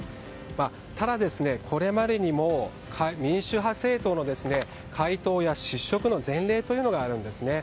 ただ、これまでにも民主派政党の解党や失職の前例というのがあるんですね。